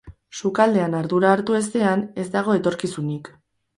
Sukaldean ardura hartu ezean, ez dago etorkizunik.